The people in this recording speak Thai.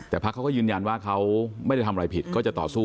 แต่พักเขาก็ยืนยันว่าเขาไม่ได้ทำอะไรผิดก็จะต่อสู้